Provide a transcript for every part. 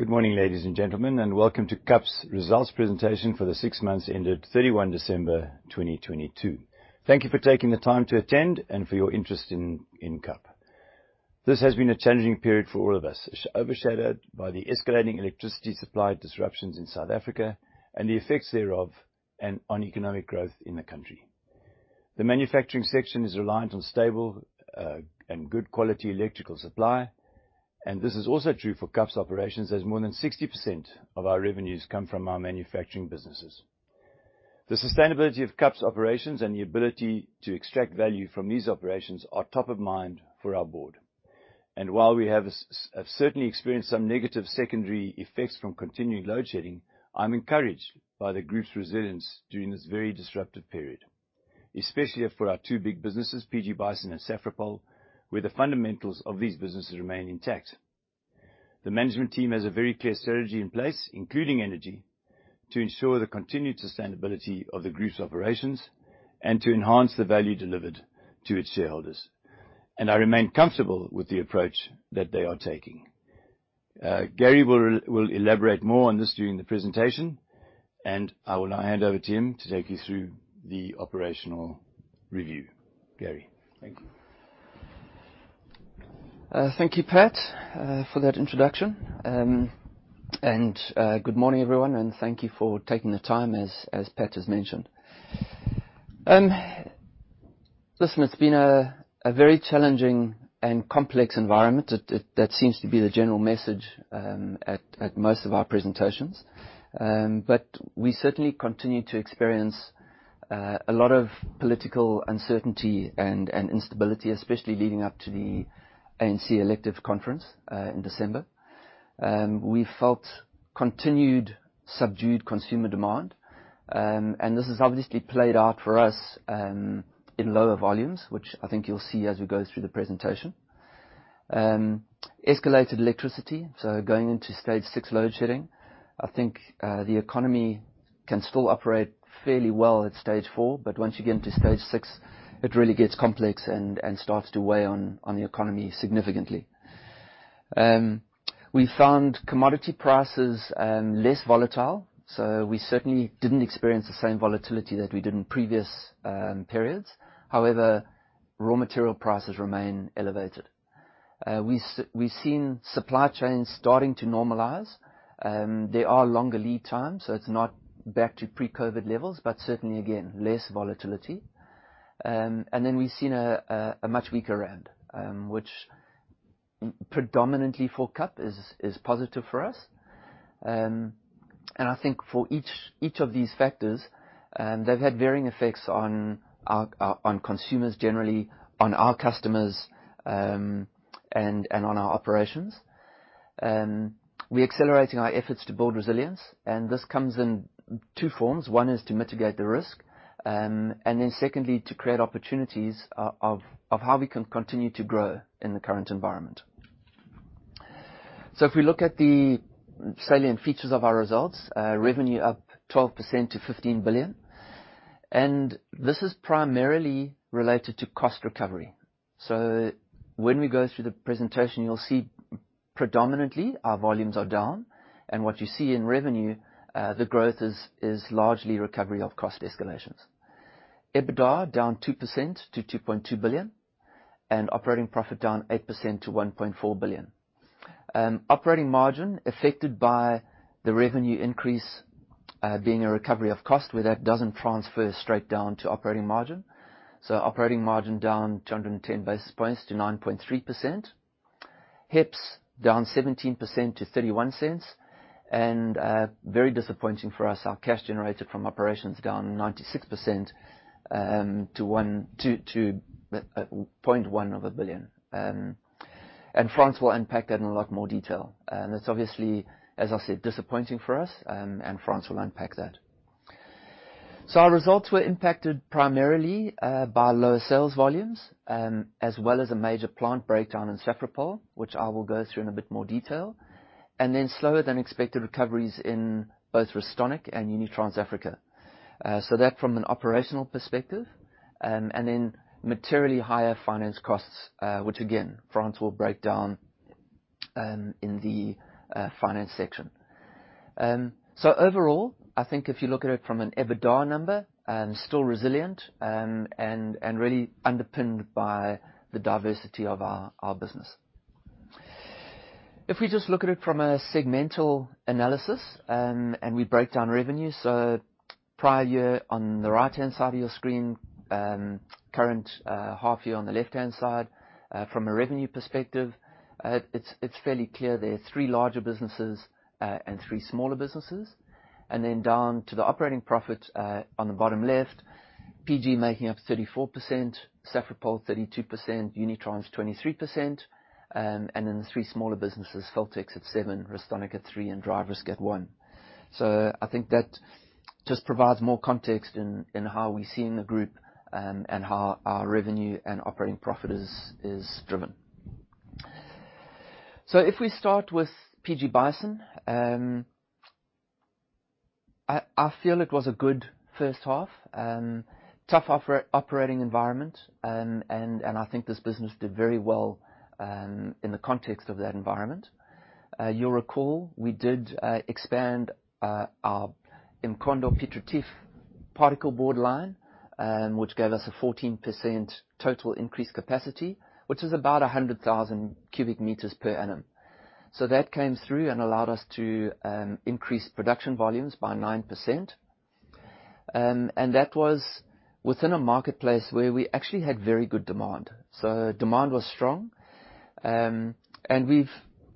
Good morning, ladies and gentlemen, and welcome to KAP's results presentation for the 6 months ended 31 December 2022. Thank you for taking the time to attend and for your interest in KAP. This has been a challenging period for all of us, overshadowed by the escalating electricity supply disruptions in South Africa and the effects thereof and on economic growth in the country. The manufacturing section is reliant on stable and good quality electrical supply, and this is also true for KAP's operations, as more than 60% of our revenues come from our manufacturing businesses. The sustainability of KAP's operations and the ability to extract value from these operations are top of mind for our board. While we have certainly experienced some negative secondary effects from continuing load shedding, I'm encouraged by the group's resilience during this very disruptive period, especially for our two big businesses, PG Bison and Safripol, where the fundamentals of these businesses remain intact. The management team has a very clear strategy in place, including energy, to ensure the continued sustainability of the group's operations and to enhance the value delivered to its shareholders. I remain comfortable with the approach that they are taking. Gary will elaborate more on this during the presentation, and I will now hand over to him to take you through the operational review. Gary, thank you. Thank you, Pat, for that introduction. Good morning, everyone, and thank you for taking the time as Pat has mentioned. Listen, it's been a very challenging and complex environment. That seems to be the general message at most of our presentations. We certainly continue to experience a lot of political uncertainty and instability, especially leading up to the ANC elective conference in December. We felt continued subdued consumer demand, and this has obviously played out for us in lower volumes, which I think you'll see as we go through the presentation. Escalated electricity, going into stage 6 load shedding. I think the economy can still operate fairly well at stage 4, but once you get into stage 6, it really gets complex and starts to weigh on the economy significantly. We found commodity prices less volatile, so we certainly didn't experience the same volatility that we did in previous periods. However, raw material prices remain elevated. We've seen supply chains starting to normalize. There are longer lead times, so it's not back to pre-COVID levels, but certainly, again, less volatility. Then we've seen a much weaker rand, which predominantly for KAP is positive for us. I think for each of these factors, they've had varying effects on our consumers generally, on our customers, and on our operations. We're accelerating our efforts to build resilience, and this comes in two forms. One is to mitigate the risk, and then secondly, to create opportunities of how we can continue to grow in the current environment. If we look at the salient features of our results, revenue up 12% to 15 billion. This is primarily related to cost recovery. When we go through the presentation, you'll see predominantly our volumes are down. What you see in revenue, the growth is largely recovery of cost escalations. EBITDA down 2% to 2.2 billion, and operating profit down 8% to 1.4 billion. Operating margin affected by the revenue increase, being a recovery of cost, where that doesn't transfer straight down to operating margin. Operating margin down 210 basis points to 9.3%. HEPS down 17% to 0.31. Very disappointing for us, our cash generated from operations down 96% to 0.1 billion. Frans will unpack that in a lot more detail. That's obviously, as I said, disappointing for us, and Frans will unpack that. Our results were impacted primarily by lower sales volumes, as well as a major plant breakdown in Safripol, which I will go through in a bit more detail, and then slower than expected recoveries in both Restonic and Unitrans Africa. That from an operational perspective, and then materially higher finance costs, which again, Frans will break down in the finance section. Overall, I think if you look at it from an EBITDA number, still resilient, and really underpinned by the diversity of our business. If we just look at it from a segmental analysis, and we break down revenue, so prior year on the right-hand side of your screen, current half year on the left-hand side. From a revenue perspective, it's fairly clear there are three larger businesses, and three smaller businesses. Down to the operating profit, on the bottom left, PG making up 34%, Safripol 32%, Unitrans 23%, and then the three smaller businesses, Feltex at seven, Restonic at three, and DriveRisk at one. I think that just provides more context in how we're seeing the group, and how our revenue and operating profit is driven. If we start with PG Bison, I feel it was a good first half. Tough operating environment. I think this business did very well in the context of that environment. You'll recall we did expand our eMkhondo Piet Retief particleboard line, which gave us a 14% total increased capacity, which is about 100,000 cubic meters per annum. That came through and allowed us to increase production volumes by 9%. That was within a marketplace where we actually had very good demand. Demand was strong.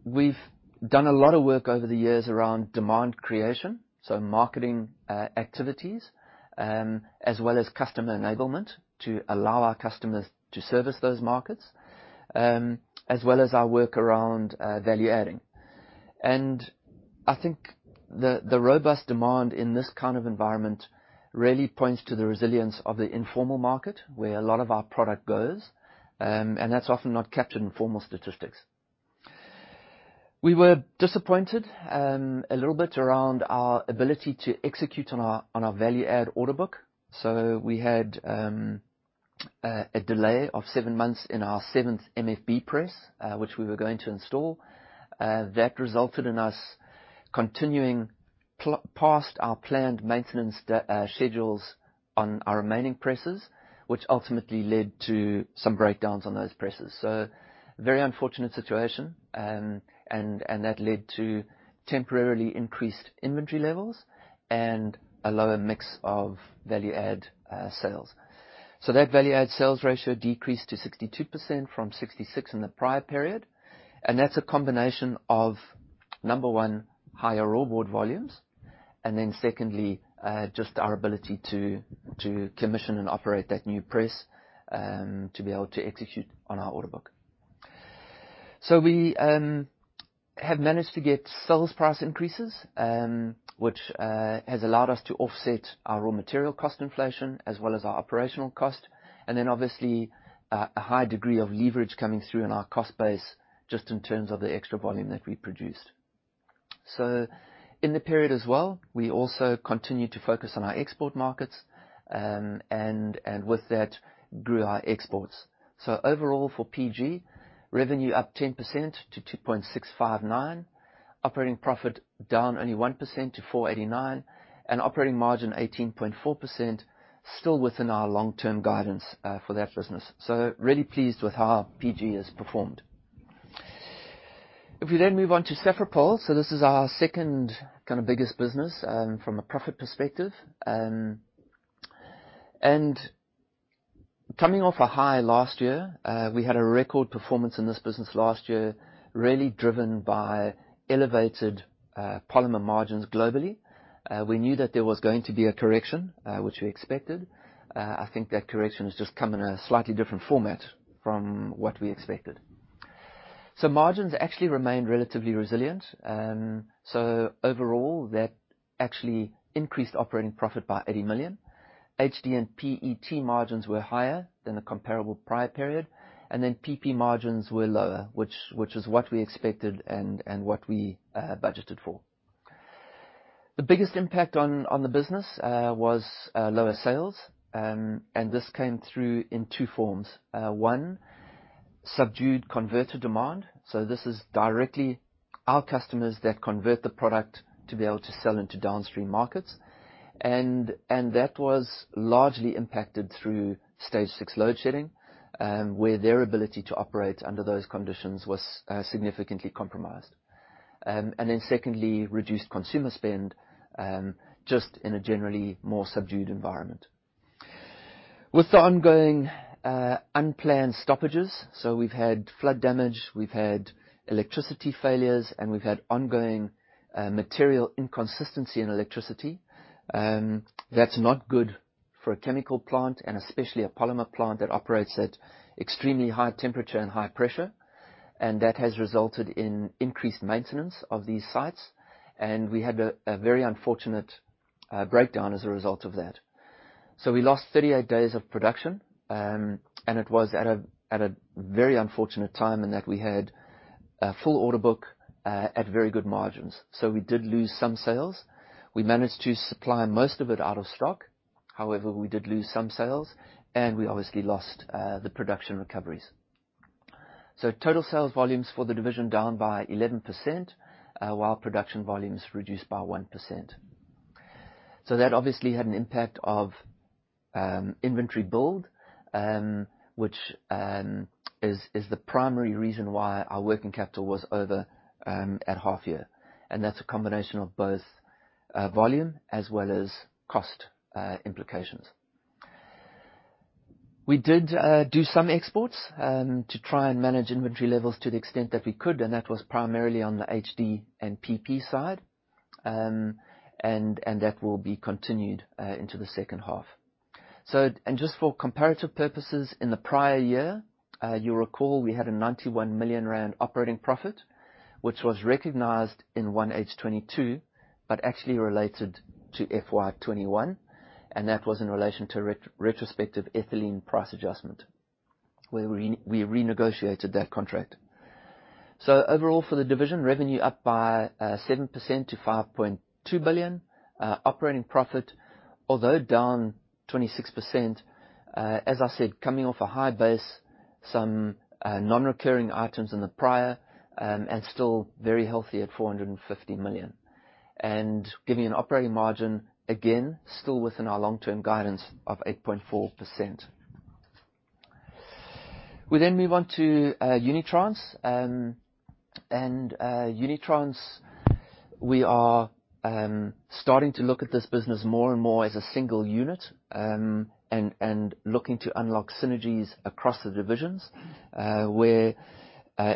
We've done a lot of work over the years around demand creation, marketing activities, as well as customer enablement to allow our customers to service those markets, as well as our work around value-adding. I think the robust demand in this kind of environment really points to the resilience of the informal market, where a lot of our product goes, and that's often not captured in formal statistics. We were disappointed a little bit around our ability to execute on our value add order book. We had a delay of seven months in our seventh MFB press, which we were going to install. That resulted in us continuing past our planned maintenance schedules on our remaining presses, which ultimately led to some breakdowns on those presses. Very unfortunate situation. And that led to temporarily increased inventory levels and a lower mix of value add sales. That value add sales ratio decreased to 62% from 66 in the prior period. That's a combination of, number one, higher raw board volumes, and then secondly, just our ability to commission and operate that new press, to be able to execute on our order book. We have managed to get sales price increases, which has allowed us to offset our raw material cost inflation as well as our operational cost, and then obviously, a high degree of leverage coming through on our cost base just in terms of the extra volume that we produced. In the period as well, we also continued to focus on our export markets, and with that grew our exports. Overall for PG, revenue up 10% to 2.659, operating profit down only 1% to 489, and operating margin 18.4%, still within our long-term guidance for that business. Really pleased with how PG has performed. If we move on to Safripol. This is our second kind of biggest business from a profit perspective. Coming off a high last year, we had a record performance in this business last year, really driven by elevated polymer margins globally. We knew that there was going to be a correction, which we expected. I think that correction has just come in a slightly different format from what we expected. Margins actually remained relatively resilient. Overall, that actually increased operating profit by 80 million. HD and PET margins were higher than the comparable prior period, PP margins were lower, which is what we expected and what we budgeted for. The biggest impact on the business was lower sales. This came through in two forms. One, subdued converter demand. So this is directly our customers that convert the product to be able to sell into downstream markets. That was largely impacted through stage six load shedding, where their ability to operate under those conditions was significantly compromised. Secondly, reduced consumer spend, just in a generally more subdued environment. With the ongoing unplanned stoppages, so we've had flood damage, we've had electricity failures, and we've had ongoing material inconsistency in electricity. That's not good for a chemical plant and especially a polymer plant that operates at extremely high temperature and high pressure. That has resulted in increased maintenance of these sites. We had a very unfortunate breakdown as a result of that. We lost 38 days of production, and it was at a very unfortunate time in that we had a full order book at very good margins. We did lose some sales. We managed to supply most of it out of stock. However, we did lose some sales, and we obviously lost the production recoveries. Total sales volumes for the division down by 11%, while production volumes reduced by 1%. That obviously had an impact of inventory build, which is the primary reason why our working capital was over at half year. That's a combination of both volume as well as cost implications. We did do some exports to try and manage inventory levels to the extent that we could, and that was primarily on the HD and PP side. That will be continued into the second half. Just for comparative purposes, in the prior year, you'll recall we had a 91 million rand operating profit, which was recognized in 1H 2022, but actually related to FY 2021, and that was in relation to retrospective ethylene price adjustment. Where we renegotiated that contract. Overall for the division revenue up by 7% to 5.2 billion. Operating profit, although down 26%, as I said, coming off a high base, some non-recurring items in the prior and still very healthy at 450 million. Giving an operating margin, again, still within our long-term guidance of 8.4%. We move on to Unitrans. Unitrans, we are starting to look at this business more and more as a single unit and looking to unlock synergies across the divisions. Where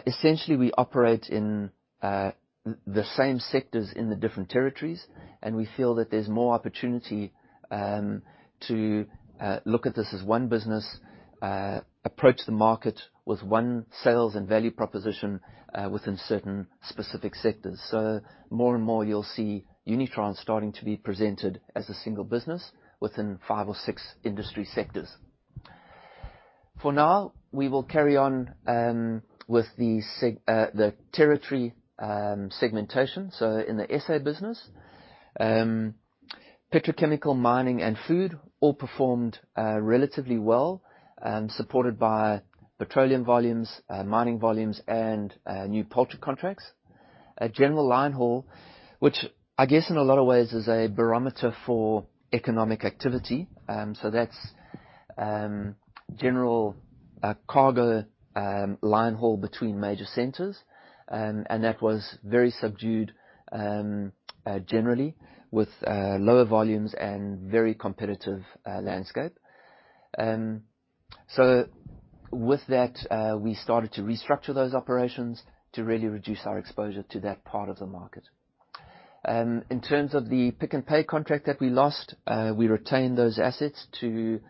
essentially we operate in the same sectors in the different territories, and we feel that there's more opportunity to look at this as one business, approach the market with one sales and value proposition within certain specific sectors. More and more, you'll see Unitrans starting to be presented as a single business within five or six industry sectors. For now, we will carry on with the territory segmentation. In the SA business, petrochemical, mining, and food all performed relatively well, supported by petroleum volumes, mining volumes, and new poultry contracts. General line haul, which I guess in a lot of ways is a barometer for economic activity. That's general cargo line haul between major centers. That was very subdued generally with lower volumes and very competitive landscape. With that, we started to restructure those operations to really reduce our exposure to that part of the market. In terms of the Pick n Pay contract that we lost, we retained those assets to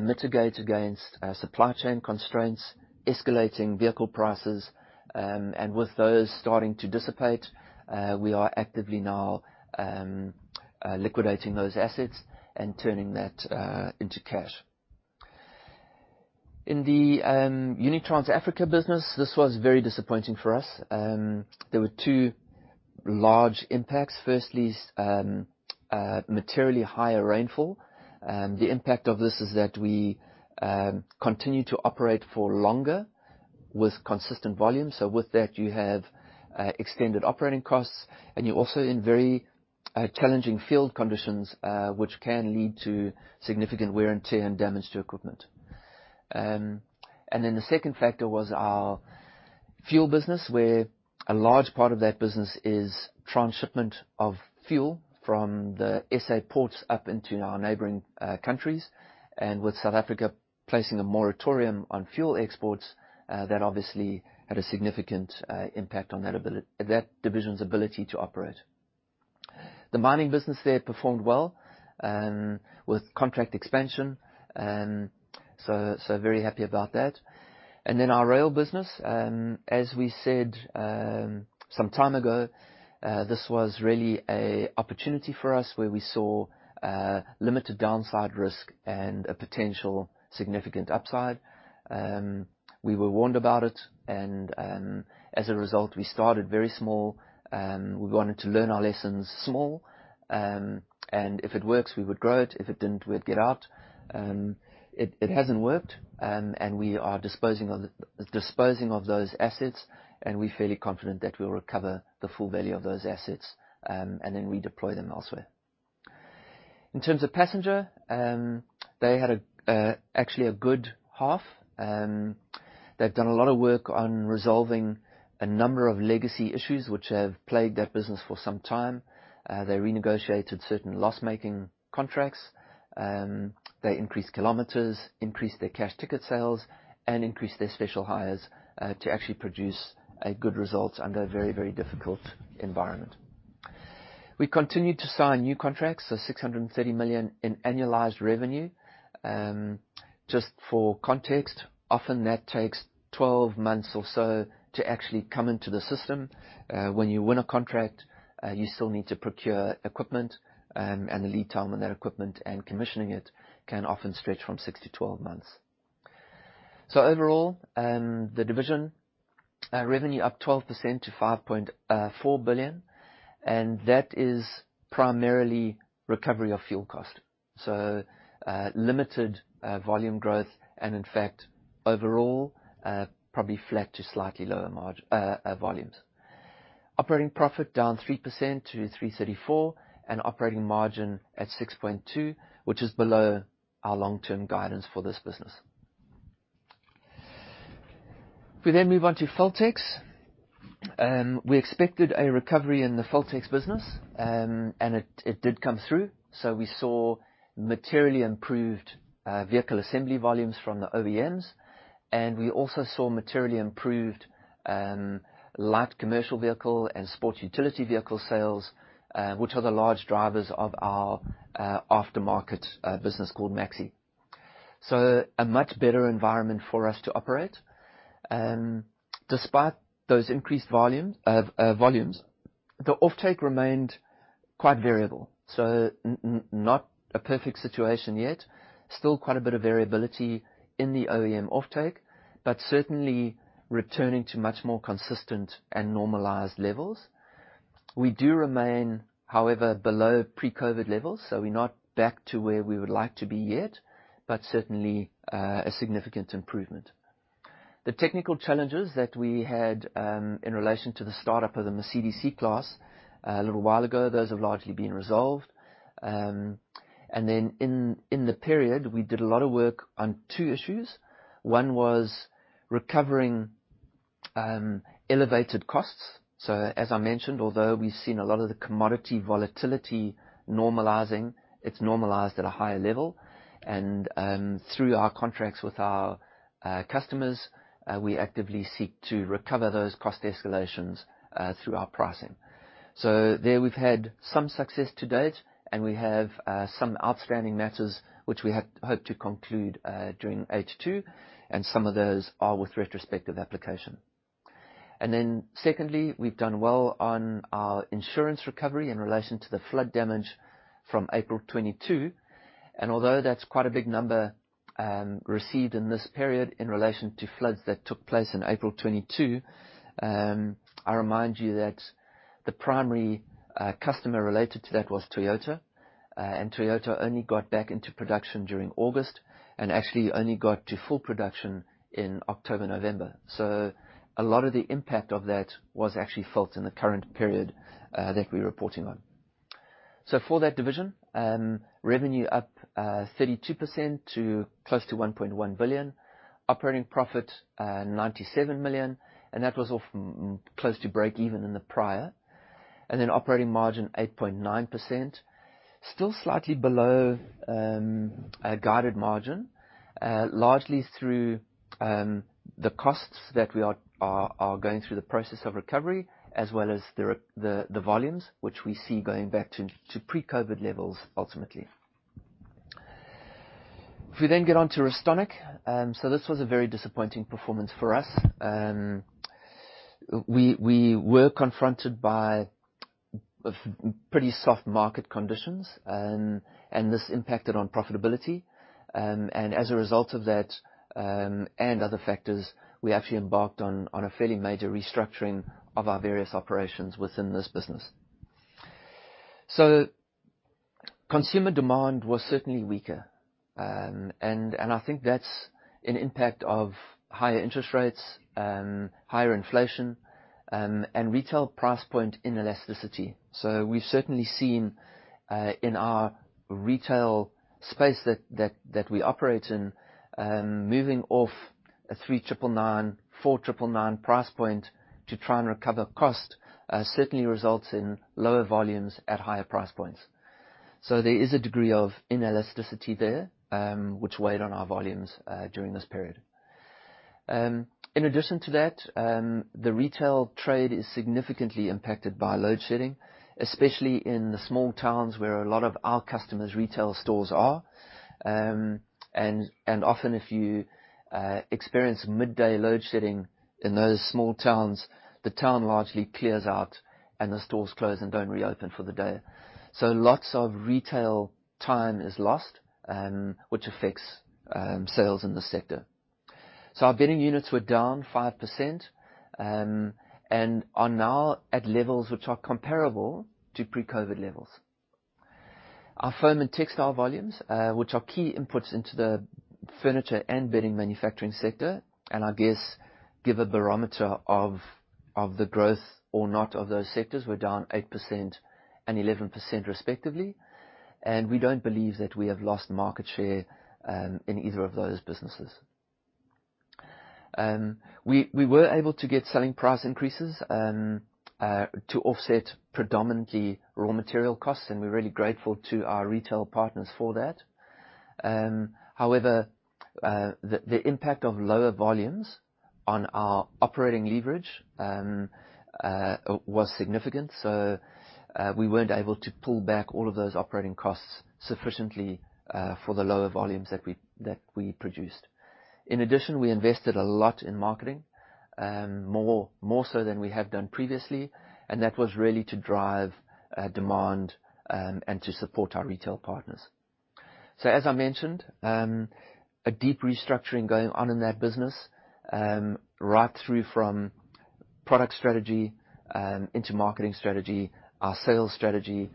mitigate against supply chain constraints, escalating vehicle prices. With those starting to dissipate, we are actively now liquidating those assets and turning that into cash. In the Unitrans Africa business, this was very disappointing for us. There were two large impacts. Firstly, materially higher rainfall. The impact of this is that we continued to operate for longer with consistent volumes. With that, you have extended operating costs, and you're also in very challenging field conditions, which can lead to significant wear and tear and damage to equipment. The second factor was our fuel business, where a large part of that business is transshipment of fuel from the SA ports up into our neighboring countries. With South Africa placing a moratorium on fuel exports, that obviously had a significant impact on that division's ability to operate. The mining business there performed well, with contract expansion, so very happy about that. Our rail business, as we said, some time ago, this was really a opportunity for us, where we saw limited downside risk and a potential significant upside. We were warned about it, and, as a result, we started very small. We wanted to learn our lessons small. If it works, we would grow it. If it didn't, we'd get out. It hasn't worked. We are disposing of those assets, and we're fairly confident that we'll recover the full value of those assets, and then redeploy them elsewhere. In terms of passenger, they had actually a good half. They've done a lot of work on resolving a number of legacy issues which have plagued that business for some time. They renegotiated certain loss-making contracts. They increased kilometers, increased their cash ticket sales, and increased their special hires to actually produce a good result under a very, very difficult environment. We continued to sign new contracts, so 630 million in annualized revenue. Just for context, often that takes 12 months or so to actually come into the system. When you win a contract, you still need to procure equipment, and the lead time on that equipment and commissioning it can often stretch from 6 to 12 months. Overall, the division, revenue up 12% to 5.4 billion, and that is primarily recovery of fuel cost. Limited volume growth and in fact overall, probably flat to slightly lower volumes. Operating profit down 3% to 334, and operating margin at 6.2%, which is below our long-term guidance for this business. We move on to Feltex. We expected a recovery in the Feltex business, and it did come through. We saw materially improved vehicle assembly volumes from the OEMs, and we also saw materially improved light commercial vehicle and sport utility vehicle sales, which are the large drivers of our aftermarket business called Maxe. A much better environment for us to operate. Despite those increased volumes, the offtake remained quite variable. Not a perfect situation yet. Still quite a bit of variability in the OEM offtake, but certainly returning to much more consistent and normalized levels. We do remain, however, below pre-COVID levels, so we're not back to where we would like to be yet, but certainly a significant improvement. The technical challenges that we had in relation to the startup of the Mercedes-Benz C-Class a little while ago, those have largely been resolved. In, in the period, we did a lot of work on two issues. One was recovering elevated costs. As I mentioned, although we've seen a lot of the commodity volatility normalizing, it's normalized at a higher level. Through our contracts with our customers, we actively seek to recover those cost escalations through our pricing. There we've had some success to date, and we have some outstanding matters which we hope to conclude during H-2. Some of those are with retrospective application. Secondly, we've done well on our insurance recovery in relation to the flood damage from April 2022. That's quite a big number, received in this period in relation to floods that took place in April 2022, I remind you that the primary customer related to that was Toyota. Toyota only got back into production during August, and actually only got to full production in October, November. A lot of the impact of that was actually felt in the current period that we're reporting on. For that division, revenue up 32% to close to 1.1 billion. Operating profit, 97 million, and that was close to break-even in the prior. Operating margin 8.9%. Still slightly below a guided margin, largely through the costs that we are going through the process of recovery, as well as the volumes which we see going back to pre-COVID levels ultimately. If we then get onto Restonic. This was a very disappointing performance for us. We were confronted by pretty soft market conditions, and this impacted on profitability. As a result of that, and other factors, we actually embarked on a fairly major restructuring of our various operations within this business. Consumer demand was certainly weaker. I think that's an impact of higher interest rates and higher inflation, and retail price point inelasticity. We've certainly seen in our retail space that we operate in, moving off a 3,999, 4,999 price point to try and recover cost, certainly results in lower volumes at higher price points. There is a degree of inelasticity there, which weighed on our volumes during this period. In addition to that, the retail trade is significantly impacted by load shedding, especially in the small towns where a lot of our customers' retail stores are. Often if you experience midday load shedding in those small towns, the town largely clears out, and the stores close and don't reopen for the day. Lots of retail time is lost, which affects sales in the sector. Our bedding units were down 5%, and are now at levels which are comparable to pre-COVID levels. Our foam and textile volumes, which are key inputs into the furniture and bedding manufacturing sector, and I guess give a barometer of the growth or not of those sectors, were down 8% and 11% respectively. We don't believe that we have lost market share, in either of those businesses. We were able to get selling price increases, to offset predominantly raw material costs, and we're really grateful to our retail partners for that. However, the impact of lower volumes on our operating leverage, was significant, so, we weren't able to pull back all of those operating costs sufficiently, for the lower volumes that we produced. In addition, we invested a lot in marketing, more so than we have done previously, and that was really to drive demand and to support our retail partners. As I mentioned, a deep restructuring going on in that business, right through from product strategy, into marketing strategy, our sales strategy,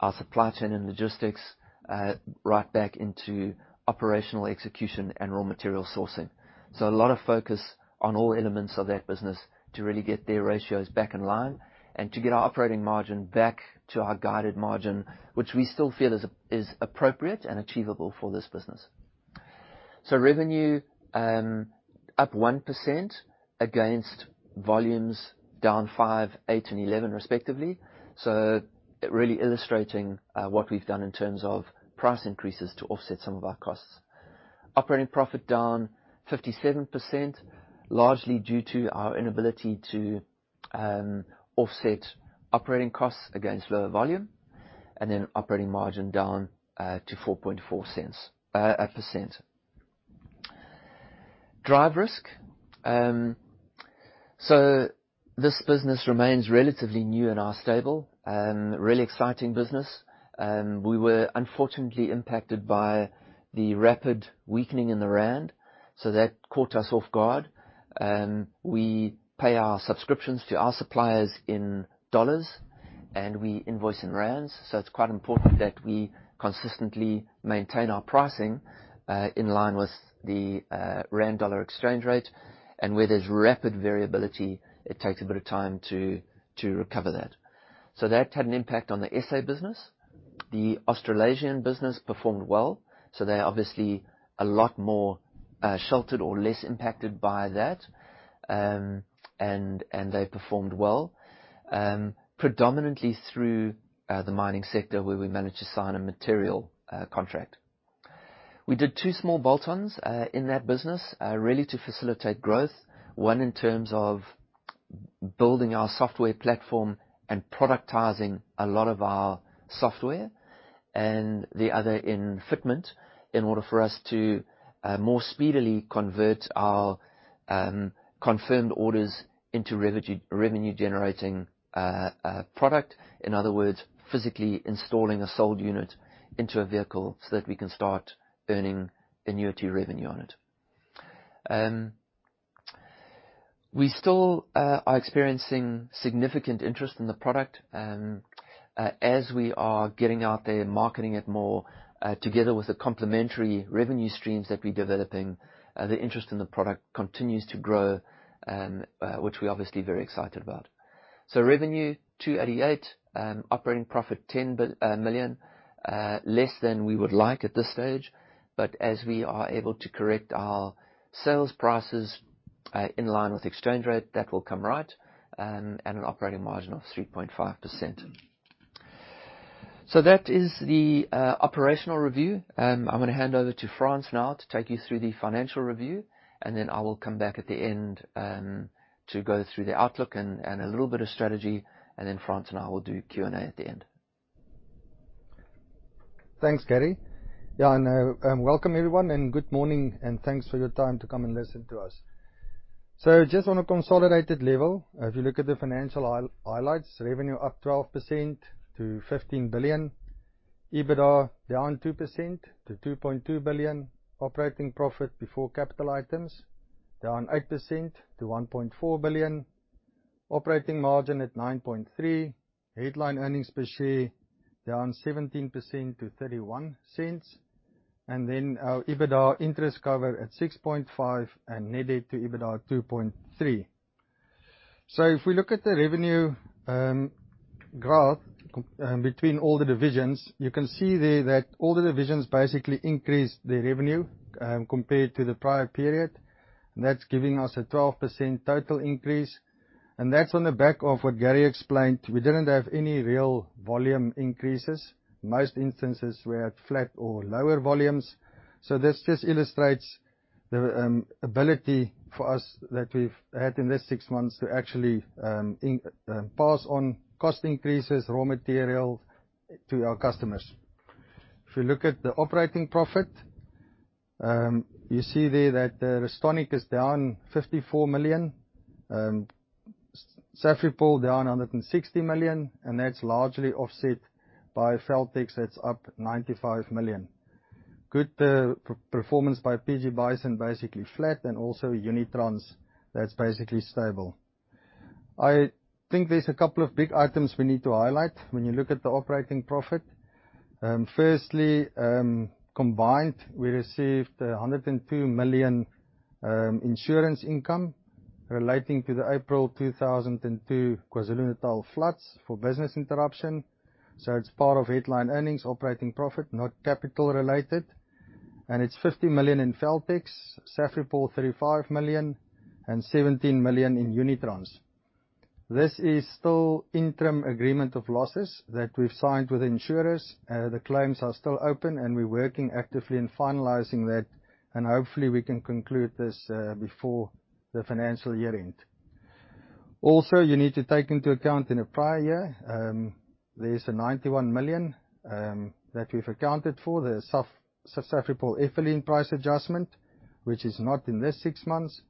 our supply chain and logistics, right back into operational execution and raw material sourcing. A lot of focus on all elements of that business to really get their ratios back in line and to get our operating margin back to our guided margin, which we still feel is appropriate and achievable for this business. Revenue, up 1% against volumes down 5%, 8%, and 11% respectively. Really illustrating what we've done in terms of price increases to offset some of our costs. Operating profit down 57%, largely due to our inability to offset operating costs against lower volume. Operating margin down to 4.4%. DriveRisk. This business remains relatively new in our stable. Really exciting business. We were unfortunately impacted by the rapid weakening in the rand, that caught us off guard. We pay our subscriptions to our suppliers in dollars, and we invoice in rands. It's quite important that we consistently maintain our pricing in line with the rand dollar exchange rate. Where there's rapid variability, it takes a bit of time to recover that. That had an impact on the SA business. The Australasian business performed well. They're obviously a lot more sheltered or less impacted by that. They performed well, predominantly through the mining sector, where we managed to sign a material contract. We did two small bolt-ons in that business, really to facilitate growth. One, in terms of building our software platform and productizing a lot of our software, and the other in fitment, in order for us to more speedily convert our confirmed orders into revenue-generating product. In other words, physically installing a sold unit into a vehicle so that we can start earning annuity revenue on it. We still are experiencing significant interest in the product. As we are getting out there and marketing it more, together with the complementary revenue streams that we're developing, the interest in the product continues to grow, which we're obviously very excited about. Revenue, 288. Operating profit, 10 million. Less than we would like at this stage, but as we are able to correct our sales prices, in line with exchange rate, that will come right. An operating margin of 3.5%. That is the operational review. I'm gonna hand over to Frans now to take you through the financial review, and then I will come back at the end to go through the outlook and a little bit of strategy. Then Frans and I will do Q&A at the end. Thanks, Gary. Welcome everyone and good morning and thanks for your time to come and listen to us. Just on a consolidated level, if you look at the financial highlights, revenue up 12% to 15 billion. EBITDA down 2% to 2.2 billion. Operating profit before capital items down 8% to 1.4 billion. Operating margin at 9.3%. Headline earnings per share down 17% to 0.31. Our EBITDA interest cover at 6.5 and net debt to EBITDA at 2.3. If we look at the revenue growth between all the divisions, you can see there that all the divisions basically increased their revenue compared to the prior period. That's giving us a 12% total increase. That's on the back of what Gary explained. We didn't have any real volume increases. Most instances were at flat or lower volumes. This just illustrates the ability for us that we've had in this six months to actually pass on cost increases, raw material to our customers. If you look at the operating profit, you see there that Restonic is down 54 million. Safripol down 160 million, and that's largely offset by Feltex that's up 95 million. Good performance by PG Bison, basically flat, and also Unitrans, that's basically stable. I think there's a couple of big items we need to highlight when you look at the operating profit. Firstly, combined, we received 102 million insurance income relating to the April 2002 KwaZulu-Natal floods for business interruption. It's part of headline earnings, operating profit, not capital related. It's 50 million in Feltex, Safripol 35 million, and 17 million in Unitrans. This is still interim agreement of losses that we've signed with insurers. The claims are still open, and we're working actively in finalizing that, and hopefully we can conclude this before the financial year end. You need to take into account in the prior year, there's a 91 million that we've accounted for, the Safripol ethylene price adjustment, which is not in this 6 months.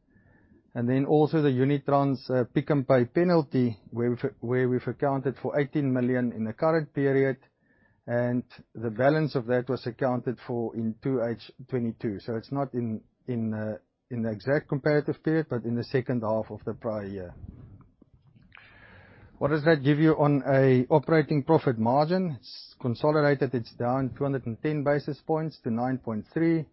The Unitrans Pick n Pay penalty, where we've accounted for 18 million in the current period. The balance of that was accounted for in 2H 2022. It's not in the exact comparative period, but in the second half of the prior year. What does that give you on an operating profit margin? Consolidated, it's down 210 basis points to 9.3%.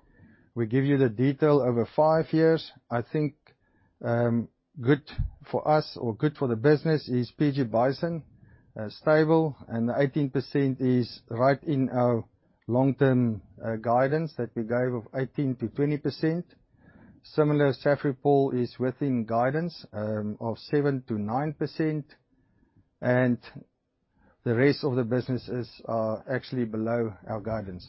We give you the detail over 5 years. I think, good for us or good for the business is PG Bison, stable and 18% is right in our long-term guidance that we gave of 18%-20%. Similar, Safripol is within guidance of 7%-9%, and the rest of the businesses are actually below our guidance.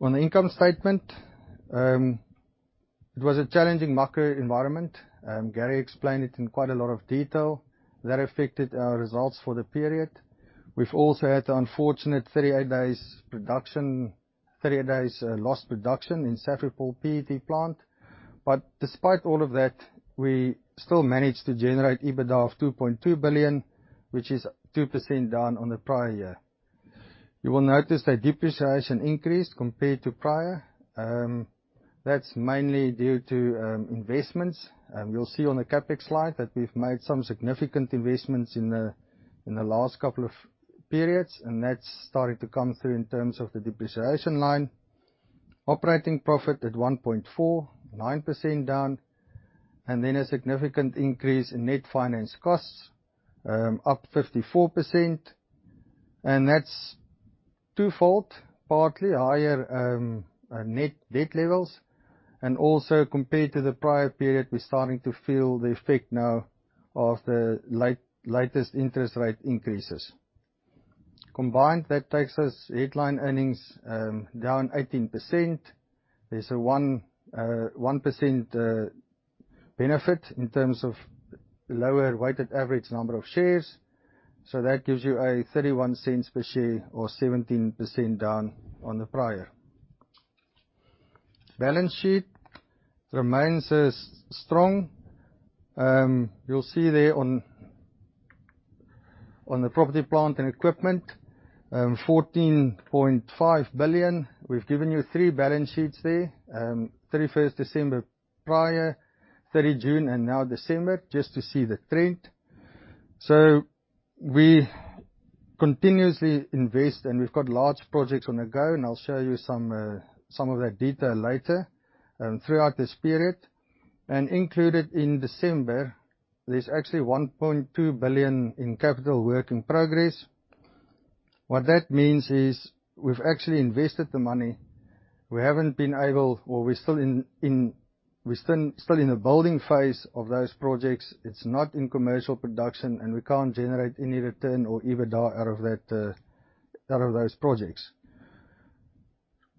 On the income statement, it was a challenging macro environment, Gary explained it in quite a lot of detail, that affected our results for the period. We've also had unfortunate 38 days production, 30 days lost production in Safripol PET plant. Despite all of that, we still managed to generate EBITDA of 2.2 billion, which is 2% down on the prior year. You will notice that depreciation increased compared to prior. That's mainly due to investments. You'll see on the CapEx slide that we've made some significant investments in the last couple of periods, and that's starting to come through in terms of the depreciation line. Operating profit at 1.4, 9% down. A significant increase in net finance costs, up 54%. That's twofold, partly higher net debt levels. Also compared to the prior period, we're starting to feel the effect now of the latest interest rate increases. Combined, that takes us headline earnings down 18%. There's a 1% benefit in terms of lower weighted average number of shares. That gives you a 0.31 per share or 17% down on the prior. Balance sheet remains as strong. You'll see there on the property plant and equipment, 14.5 billion. We've given you three balance sheets there. 31st December prior, 30 June, and now December, just to see the trend. We continuously invest, and we've got large projects on the go, and I'll show you some of that detail later throughout this period. Included in December, there's actually 1.2 billion in capital work in progress. What that means is we've actually invested the money. We haven't been able, or we're still in the building phase of those projects. It's not in commercial production. We can't generate any return or EBITDA out of that, out of those projects.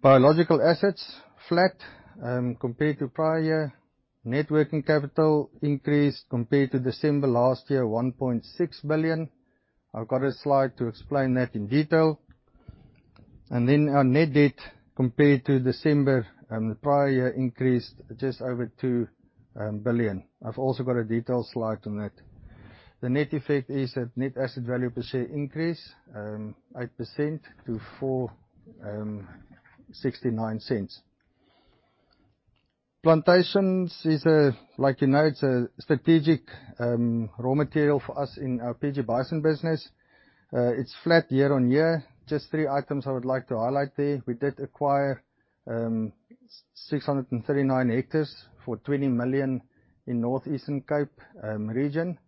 Biological assets, flat, compared to prior. Net working capital increased compared to December last year, 1.6 billion. I've got a slide to explain that in detail. Our net debt compared to December, the prior year increased just over 2 billion. I've also got a detailed slide on it. The net effect is that net asset value per share increased 8% to 4.69. Plantations, like you know, it's a strategic raw material for us in our PG Bison business. It's flat year-on-year. Just 3 items I would like to highlight there. We did acquire 639 hectares for 20 million in North Eastern Cape region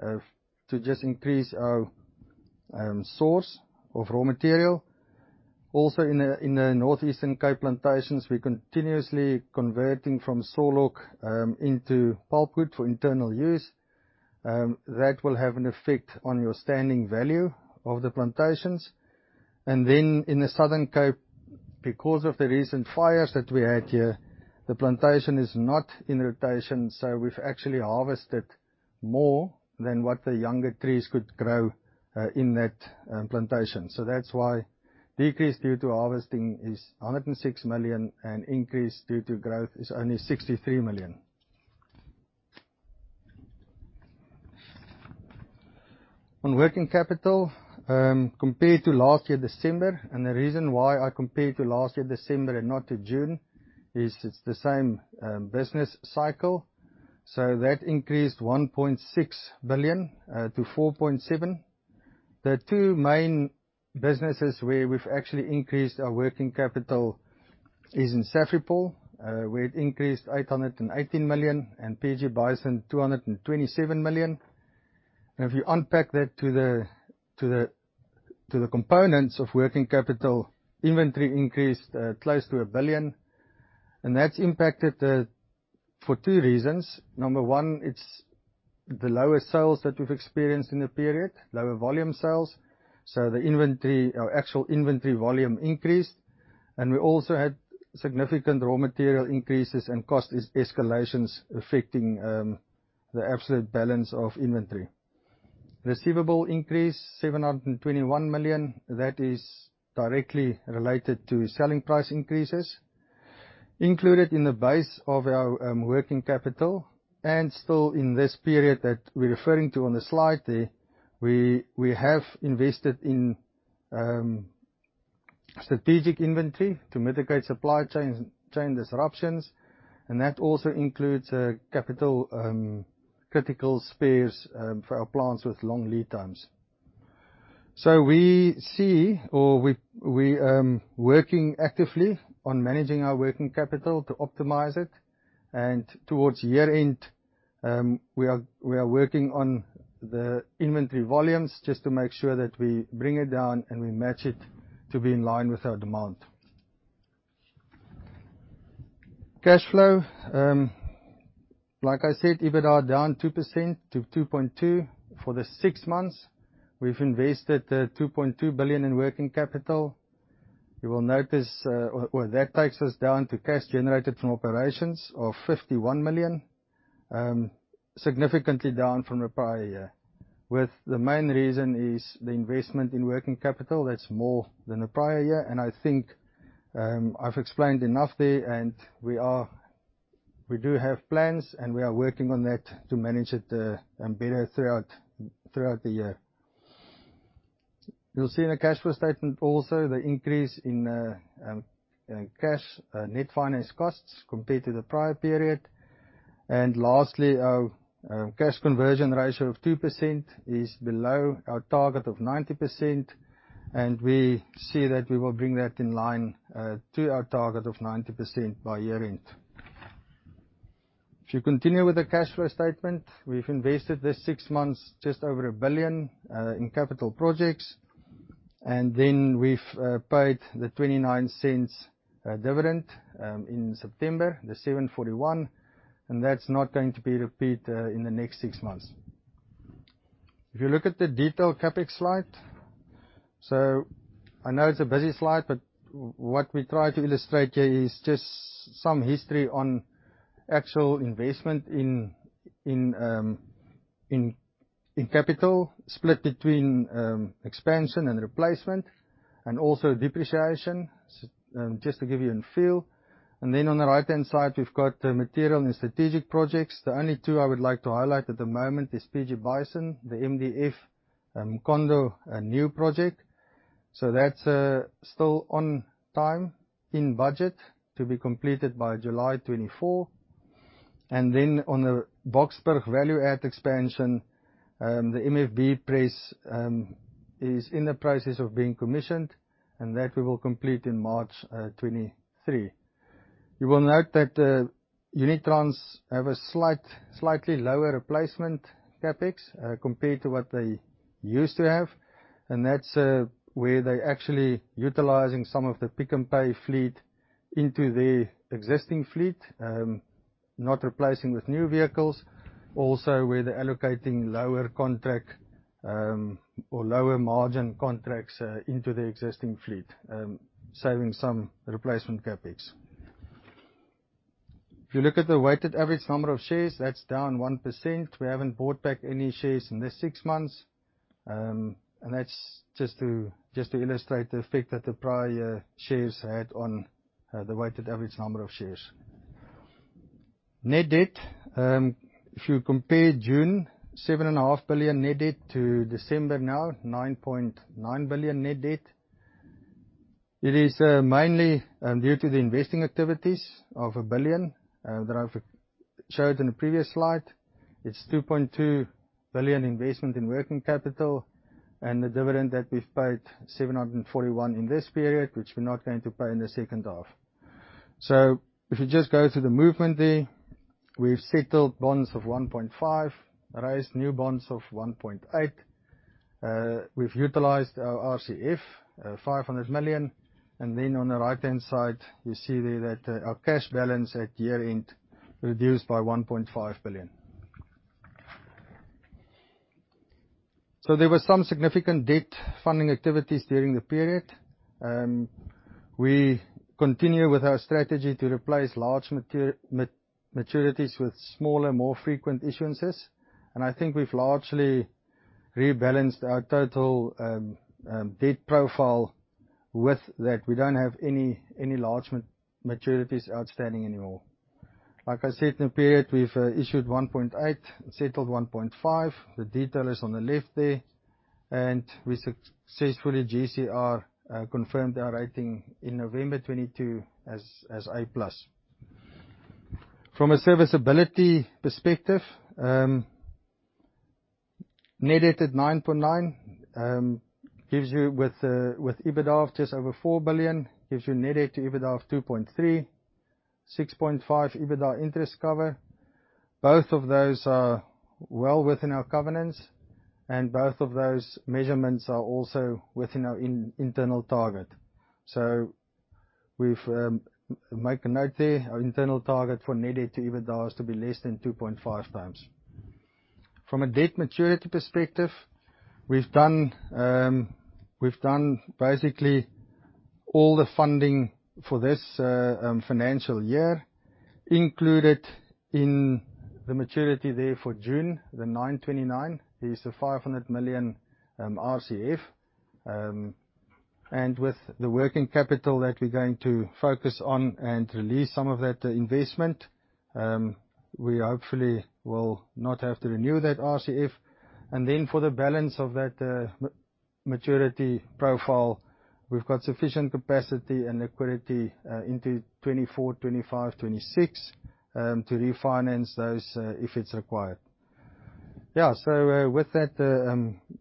to just increase our source of raw material. Also in the North Eastern Cape plantations, we're continuously converting from sawlog into pulpwood for internal use. That will have an effect on your standing value of the plantations. In the Southern Cape, because of the recent fires that we had here, the plantation is not in rotation, so we've actually harvested more than what the younger trees could grow in that plantation. That's why decrease due to harvesting is 106 million, and increase due to growth is only 63 million. On working capital, compared to last year, December, and the reason why I compare to last year, December, and not to June, is it's the same business cycle. That increased 1.6 billion to 4.7 billion. The two main businesses where we've actually increased our working capital is in Safripol, we had increased 818 million, and PG Bison, 227 million. If you unpack that to the components of working capital, inventory increased close to 1 billion. That's impacted the... For two reasons. Number one, it's the lower sales that we've experienced in the period, lower volume sales. The inventory, our actual inventory volume increased. We also had significant raw material increases and cost escalations affecting the absolute balance of inventory. Receivable increased, 721 million. That is directly related to selling price increases. Included in the base of our working capital, and still in this period that we're referring to on the slide there, we have invested in strategic inventory to mitigate supply chain disruptions. That also includes capital critical spares for our plants with long lead times. So we see or we working actively on managing our working capital to optimize it. Towards year-end, we are working on the inventory volumes just to make sure that we bring it down and we match it to be in line with our demand. Cash flow. Like I said, EBITDA down 2% to 2.2%. For the 6 months, we've invested 2.2 billion in working capital. You will notice, That takes us down to cash generated from operations of 51 million significantly down from the prior year, with the main reason is the investment in working capital that's more than the prior year. I think, I've explained enough there, We do have plans, and we are working on that to manage it better throughout the year. You'll see in the cash flow statement also the increase in cash net finance costs compared to the prior period. Lastly, our cash conversion ratio of 2% is below our target of 90%, and we see that we will bring that in line to our target of 90% by year-end. You continue with the cash flow statement, we've invested this six months just over 1 billion in capital projects, then we've paid the 0.29 dividend in September, the 7.41, that's not going to be repeated in the next six months. You look at the detailed CapEx slide. I know it's a busy slide, but what we try to illustrate here is just some history on actual investment in capital, split between expansion and replacement and also depreciation, just to give you a feel. On the right-hand side, we've got material and strategic projects. The only two I would like to highlight at the moment is PG Bison, the MDF, eMkhondo new project. That's still on time, in budget, to be completed by July 2024. On the Boksburg value add expansion, the MFB press is in the process of being commissioned, and that we will complete in March 2023. You will note that Unitrans have a slightly lower replacement CapEx compared to what they used to have, and that's where they're actually utilizing some of the Pick n Pay fleet into their existing fleet, not replacing with new vehicles. Where they're allocating lower contract or lower margin contracts into their existing fleet, saving some replacement CapEx. If you look at the weighted average number of shares, that's down 1%. We haven't bought back any shares in this 6 months. That's just to illustrate the effect that the prior year shares had on the weighted average number of shares. Net debt, if you compare June 7.5 billion net debt to December now, 9.9 billion net debt, it is mainly due to the investing activities of 1 billion that I've showed in the previous slide. It's 2.2 billion investment in working capital and the dividend that we've paid, 741 in this period, which we're not going to pay in the second half. If you just go through the movement there, we've settled bonds of 1.5, raised new bonds of 1.8. We've utilized our RCF, 500 million. On the right-hand side, you see there that our cash balance at year-end reduced by ZAR 1.5 billion. There were some significant debt funding activities during the period. We continue with our strategy to replace large maturities with smaller, more frequent issuances. I think we've largely rebalanced our total debt profile with that. We don't have any large maturities outstanding anymore. Like I said, in the period, we've issued 1.8, settled 1.5. The detail is on the left there. We successfully GCR confirmed our rating in November 2022 as A+. From a serviceability perspective, net debt at 9.9 gives you with EBITDA of just over 4 billion, gives you a net debt-to-EBITDA of 2.3, 6.5 EBITDA interest cover. Both of those are well within our covenants, both of those measurements are also within our internal target. We've make a note there. Our internal target for net debt to EBITDA is to be less than 2.5 times. From a debt maturity perspective, we've done basically all the funding for this financial year. Included in the maturity there for June, the 929, is the 500 million RCF. With the working capital that we're going to focus on and release some of that investment, we hopefully will not have to renew that RCF. For the balance of that maturity profile, we've got sufficient capacity and liquidity into 2024, 2025, 2026 to refinance those if it's required. Yeah. With that,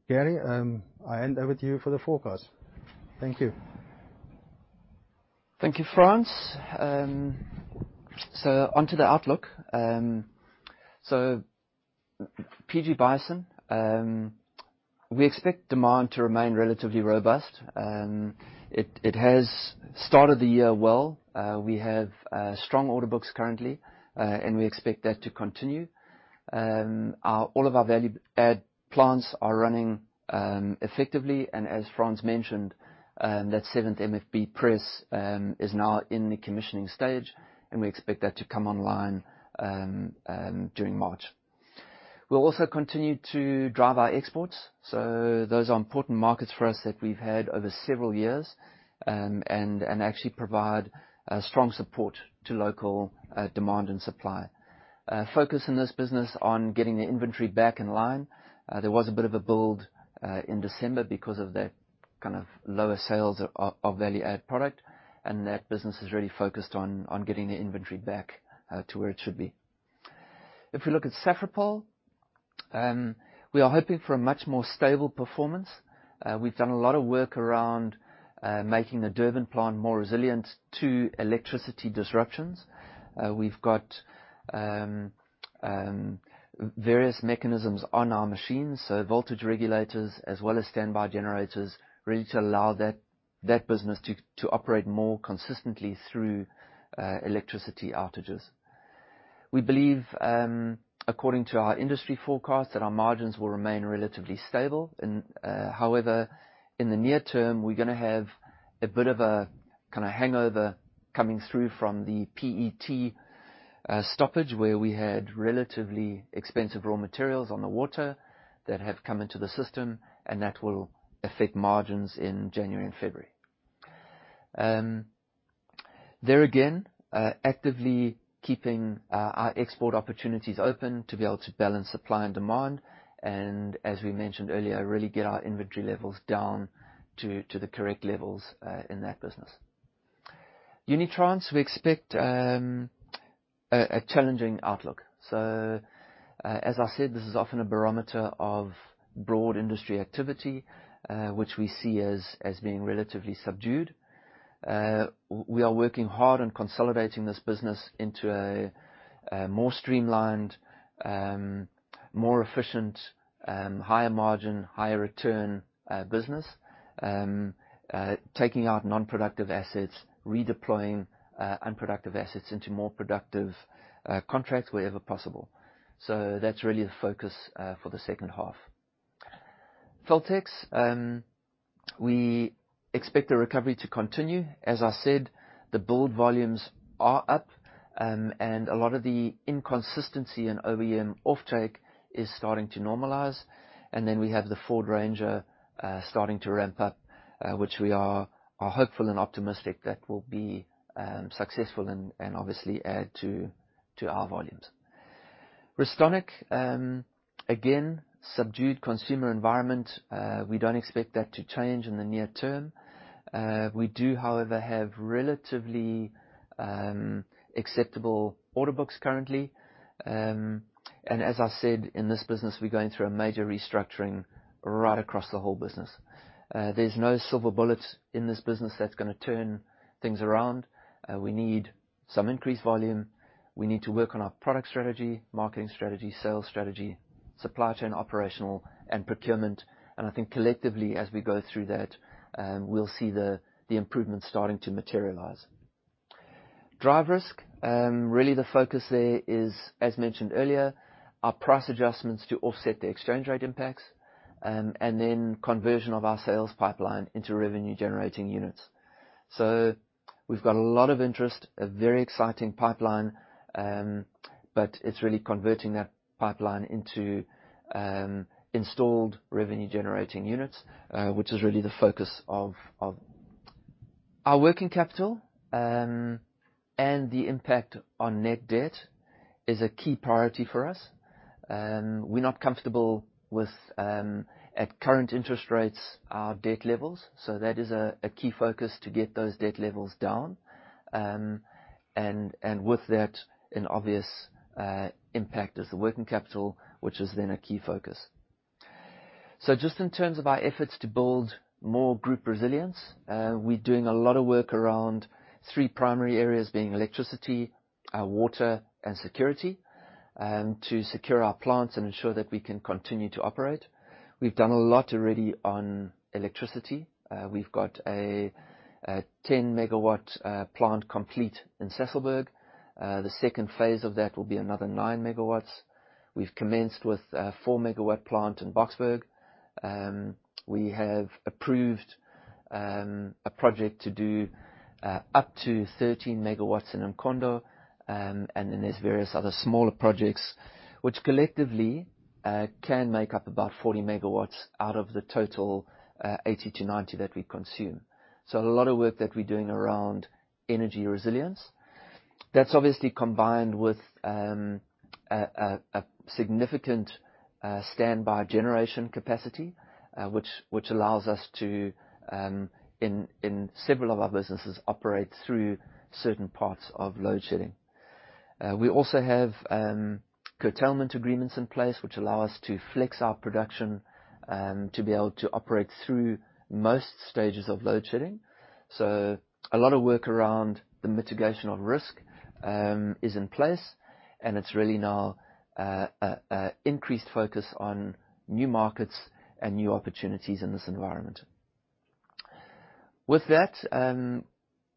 Gary, I hand over to you for the forecast. Thank you. Thank you, Frans. Onto the outlook. PG Bison. We expect demand to remain relatively robust. It has started the year well. We have strong order books currently, and we expect that to continue. All of our value add plants are running effectively, and as Frans mentioned, that seventh MFB press is now in the commissioning stage, and we expect that to come online during March. We'll also continue to drive our exports, those are important markets for us that we've had over several years, and actually provide strong support to local demand and supply. Focus in this business on getting the inventory back in line. There was a bit of a build in December because of the kind of lower sales of value-add product, and that business is really focused on getting the inventory back to where it should be. If we look at Safripol, we are hoping for a much more stable performance. We've done a lot of work around making the Durban plant more resilient to electricity disruptions. We've got various mechanisms on our machines, so voltage regulators as well as standby generators, really to allow that business to operate more consistently through electricity outages. We believe, according to our industry forecasts, that our margins will remain relatively stable. In. In the near term, we're gonna have a bit of a kinda hangover coming through from the PET stoppage, where we had relatively expensive raw materials on the water that have come into the system, and that will affect margins in January and February. There again, actively keeping our export opportunities open to be able to balance supply and demand and as we mentioned earlier, really get our inventory levels down to the correct levels in that business. Unitrans, we expect a challenging outlook. As I said, this is often a barometer of broad industry activity, which we see as being relatively subdued. We are working hard on consolidating this business into a more streamlined, more efficient, higher margin, higher return business. Taking out non-productive assets, redeploying unproductive assets into more productive contracts wherever possible. That's really the focus for the second half. Feltex, we expect the recovery to continue. As I said, the build volumes are up, and a lot of the inconsistency in OEM offtake is starting to normalize. Then we have the Ford Ranger starting to ramp up, which we are hopeful and optimistic that will be successful and obviously add to our volumes. Restonic, again, subdued consumer environment. We don't expect that to change in the near term. We do, however, have relatively acceptable order books currently. As I said, in this business, we're going through a major restructuring right across the whole business. There's no silver bullets in this business that's gonna turn things around. We need some increased volume. We need to work on our product strategy, marketing strategy, sales strategy, supply chain operational and procurement. I think collectively as we go through that, we'll see the improvements starting to materialize. DriveRisk, really the focus there is, as mentioned earlier, our price adjustments to offset the exchange rate impacts, and then conversion of our sales pipeline into revenue-generating units. We've got a lot of interest, a very exciting pipeline, but it's really converting that pipeline into installed revenue-generating units, which is really the focus of. Our working capital, and the impact on net debt is a key priority for us. We're not comfortable with, at current interest rates, our debt levels, so that is a key focus to get those debt levels down. With that, an obvious impact is the working capital, which is then a key focus. Just in terms of our efforts to build more group resilience, we're doing a lot of work around three primary areas being electricity, water and security, to secure our plants and ensure that we can continue to operate. We've done a lot already on electricity. We've got a 10 MW plant complete in Sasolburg. The second phase of that will be another 9 MW. We've commenced with a 4 MW plant in Boksburg. We have approved a project to do up to 13 MW in eMkhondo. There's various other smaller projects, which collectively can make up about 40 MW out of the total 80-90 that we consume. A lot of work that we're doing around energy resilience. That's obviously combined with a significant standby generation capacity, which allows us to in several of our businesses, operate through certain parts of load shedding. We also have curtailment agreements in place which allow us to flex our production to be able to operate through most stages of load shedding. A lot of work around the mitigation of risk is in place, and it's really now a increased focus on new markets and new opportunities in this environment. With that, and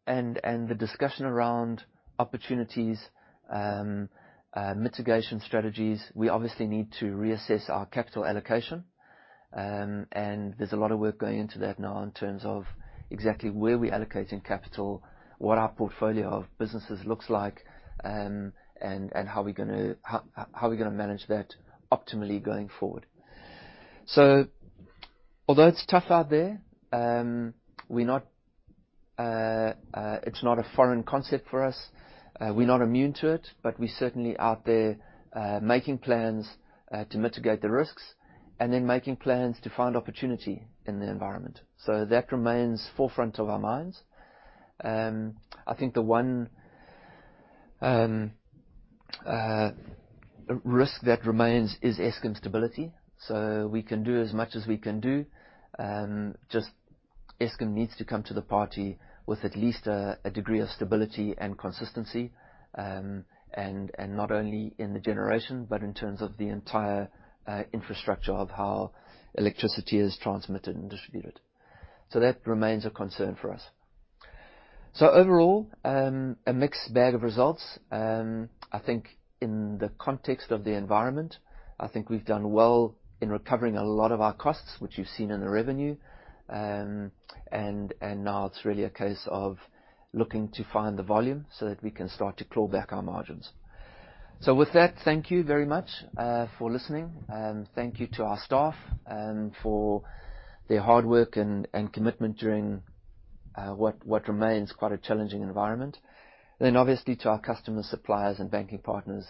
the discussion around opportunities, mitigation strategies, we obviously need to reassess our capital allocation. There's a lot of work going into that now in terms of exactly where we're allocating capital, what our portfolio of businesses looks like, and how we're gonna manage that optimally going forward. Although it's tough out there, we're not, it's not a foreign concept for us. We're not immune to it, but we're certainly out there, making plans to mitigate the risks and then making plans to find opportunity in the environment. That remains forefront of our minds. I think the one risk that remains is Eskom stability. We can do as much as we can do, just Eskom needs to come to the party with at least a degree of stability and consistency. Not only in the generation, but in terms of the entire infrastructure of how electricity is transmitted and distributed. That remains a concern for us. Overall, a mixed bag of results. I think in the context of the environment, I think we've done well in recovering a lot of our costs, which you've seen in the revenue. Now it's really a case of looking to find the volume so that we can start to claw back our margins. With that, thank you very much for listening. Thank you to our staff for their hard work and commitment during what remains quite a challenging environment. Obviously to our customers, suppliers and banking partners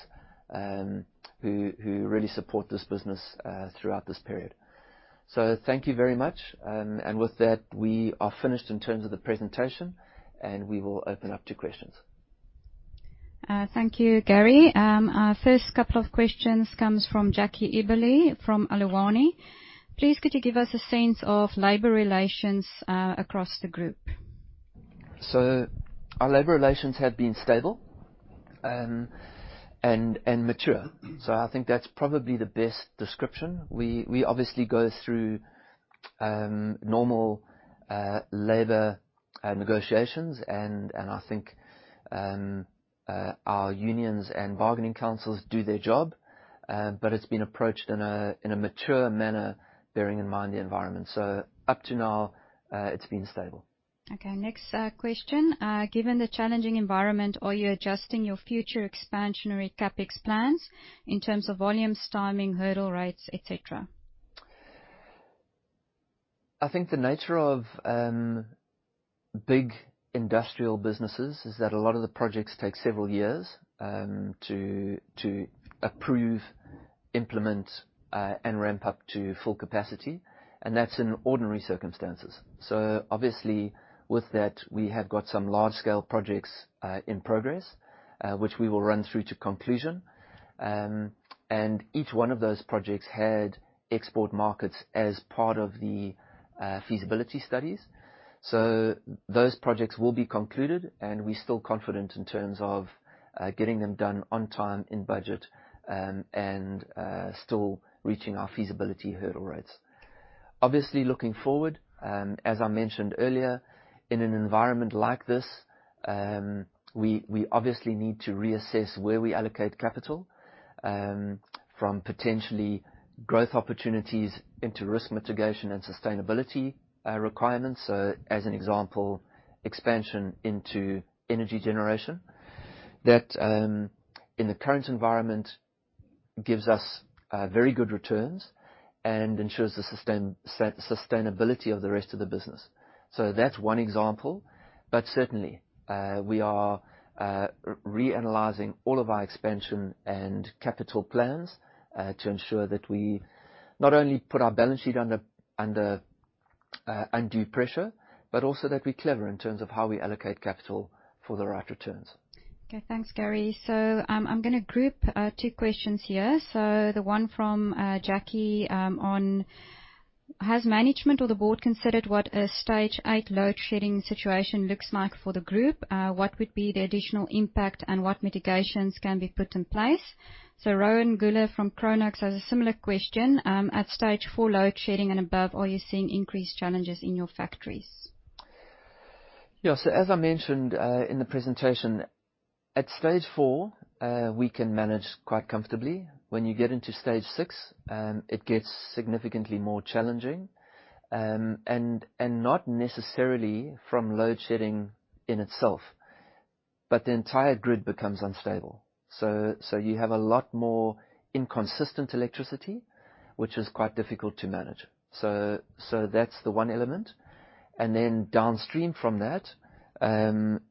who really support this business throughout this period. Thank you very much. With that, we are finished in terms of the presentation, and we will open up to questions. Thank you, Gary. Our first couple of questions comes from Jackie Ibele from Aluwani. Please, could you give us a sense of labor relations across the group? Our labor relations have been stable, and mature. I think that's probably the best description. We obviously go through normal labor negotiations and I think our unions and bargaining councils do their job, but it's been approached in a mature manner, bearing in mind the environment. Up to now, it's been stable. Okay. Next, question. Given the challenging environment, are you adjusting your future expansionary CapEx plans in terms of volumes, timing, hurdle rates, et cetera? I think the nature of big industrial businesses is that a lot of the projects take several years to approve, implement, and ramp up to full capacity, and that's in ordinary circumstances. Obviously with that, we have got some large scale projects in progress, which we will run through to conclusion. And each one of those projects had export markets as part of the feasibility studies. Those projects will be concluded and we're still confident in terms of getting them done on time, in budget, and still reaching our feasibility hurdle rates. Obviously looking forward, as I mentioned earlier, in an environment like this, we obviously need to reassess where we allocate capital from potentially growth opportunities into risk mitigation and sustainability requirements. As an example, expansion into energy generation. That in the current environment gives us very good returns and ensures the sustainability of the rest of the business. That's one example. Certainly, we are reanalyzing all of our expansion and capital plans to ensure that we not only put our balance sheet under undue pressure, but also that we're clever in terms of how we allocate capital for the right returns. Okay. Thanks, Gary. I'm gonna group two questions here. The one from Jackie on, has management or the board considered what a Stage 8 load shedding situation looks like for the group? What would be the additional impact and what mitigations can be put in place? Rohan Guler from [Cronux] has a similar question. At Stage 4 load shedding and above, are you seeing increased challenges in your factories? As I mentioned, in the presentation, at stage 4, we can manage quite comfortably. When you get into stage 6, it gets significantly more challenging. Not necessarily from load shedding in itself, the entire grid becomes unstable. You have a lot more inconsistent electricity, which is quite difficult to manage. That's the one element. Downstream from that,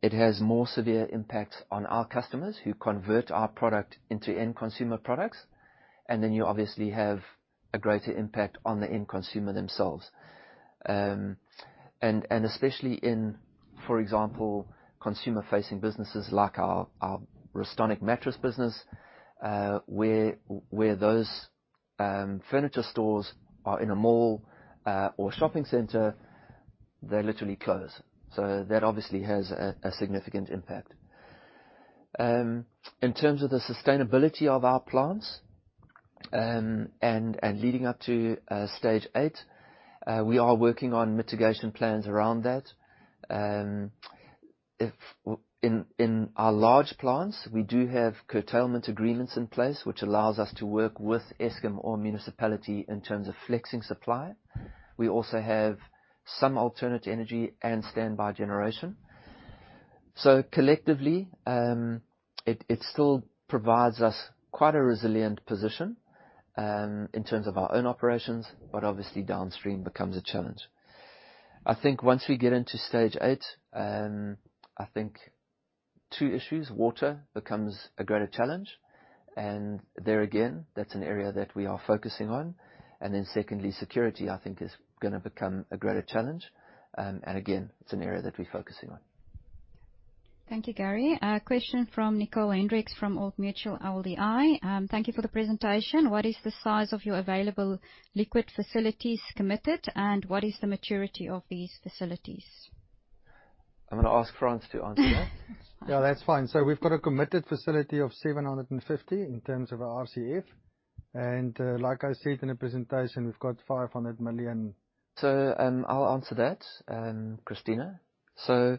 it has more severe impacts on our customers who convert our product into end consumer products, and then you obviously have a greater impact on the end consumer themselves. Especially in, for example, consumer-facing businesses like our Restonic Mattress business, where those furniture stores are in a mall or shopping center, they literally close. That obviously has a significant impact. In terms of the sustainability of our plants, and leading up to stage eight, we are working on mitigation plans around that. In our large plants, we do have curtailment agreements in place, which allows us to work with Eskom or municipality in terms of flexing supply. We also have some alternate energy and standby generation. Collectively, it still provides us quite a resilient position in terms of our own operations, but obviously downstream becomes a challenge. I think once we get into stage eight, two issues: water becomes a greater challenge, and there again, that's an area that we are focusing on. Then secondly, security, I think is gonna become a greater challenge. Again, it's an area that we're focusing on. Thank you, Gary. A question from Nicole Hendricks from Old Mutual ALDI. Thank you for the presentation. What is the size of your available liquid facilities committed, and what is the maturity of these facilities? I'm gonna ask Frans to answer that. Yeah, that's fine. We've got a committed facility of 750 in terms of our RCF, and like I said in the presentation, we've got 500 million. I'll answer that, Christina. The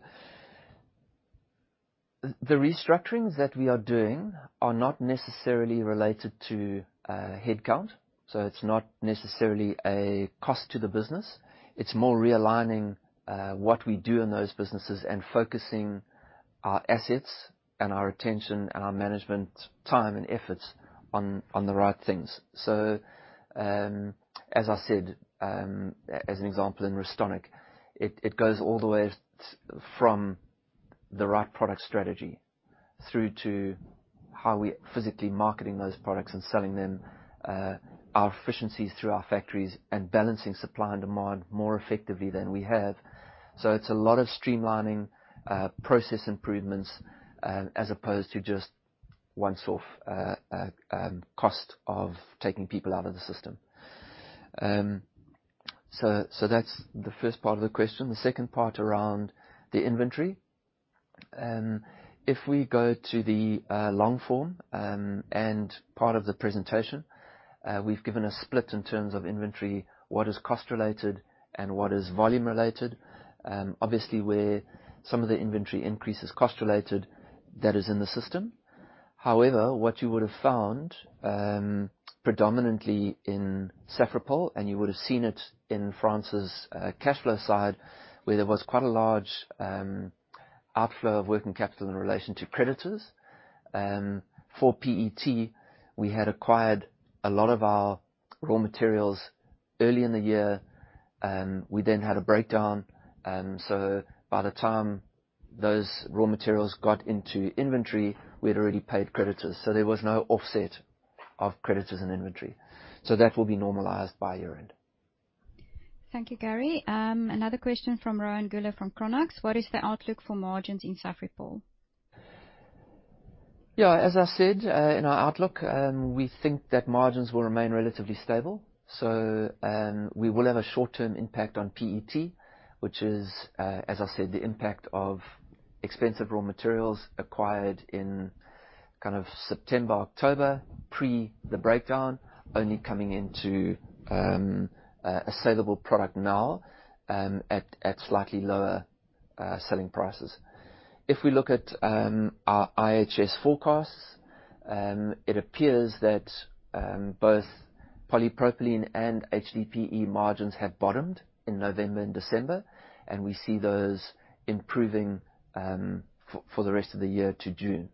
restructurings that we are doing are not necessarily related to headcount, so it's not necessarily a cost to the business. It's more realigning what we do in those businesses and focusing our assets and our attention and our management time and efforts on the right things. As I said, as an example in Restonic, it goes all the way from the right product strategy through to how we're physically marketing those products and selling them, our efficiencies through our factories and balancing supply and demand more effectively than we have. It's a lot of streamlining, process improvements, as opposed to just once-off cost of taking people out of the system. That's the first part of the question. The second part around the inventory. If we go to the long form, and part of the presentation, we've given a split in terms of inventory, what is cost-related and what is volume-related. Obviously where some of the inventory increase is cost-related, that is in the system. However, what you would have found, predominantly in Safripol, and you would have seen it in Frans's cash flow side, where there was quite a large outflow of working capital in relation to creditors. For PET, we had acquired a lot of our raw materials early in the year. We then had a breakdown, so by the time those raw materials got into inventory, we had already paid creditors. There was no offset of creditors and inventory. That will be normalized by year-end. Thank you, Gary. Another question from Rohan Goolab from Coronation Fund Managers. What is the outlook for margins in Safripol? As I said, in our outlook, we think that margins will remain relatively stable. We will have a short-term impact on PET, which is, as I said, the impact of expensive raw materials acquired in kind of September, October, pre the breakdown, only coming into a saleable product now at slightly lower selling prices. If we look at our IHS forecasts, it appears that both polypropylene and HDPE margins have bottomed in November and December, and we see those improving for the rest of the year to June.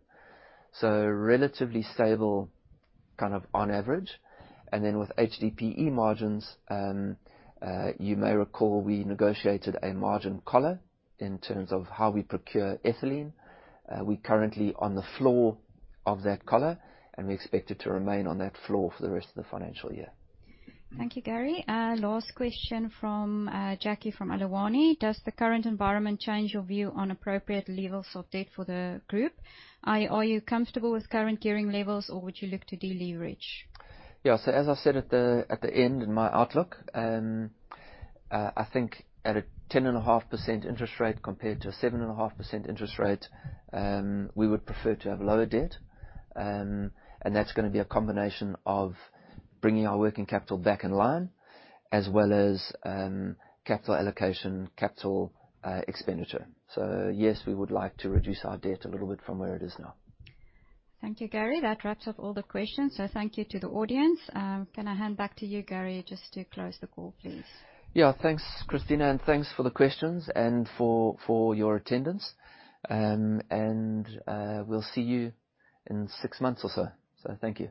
Relatively stable, kind of on average. With HDPE margins, you may recall we negotiated a margin collar in terms of how we procure ethylene. We're currently on the floor of that collar. We expect it to remain on that floor for the rest of the financial year. Thank you, Gary. Last question from Jackie from Aluwani. Does the current environment change your view on appropriate levels of debt for the group? Are you comfortable with current gearing levels, or would you look to deleverage? Yeah. As I said at the end in my outlook, I think at a 10.5% interest rate compared to a 7.5% interest rate, we would prefer to have lower debt. That's gonna be a combination of bringing our working capital back in line as well as capital allocation, capital expenditure. Yes, we would like to reduce our debt a little bit from where it is now. Thank you, Gary. That wraps up all the questions. Thank you to the audience. Can I hand back to you, Gary, just to close the call, please? Yeah. Thanks, Christina, and thanks for the questions and for your attendance. We'll see you in 6 months or so. Thank you